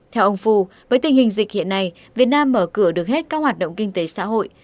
theo ông phu với tình hình dịch hiện nay việt nam mở cửa được hết các hoạt động kinh tế xã hội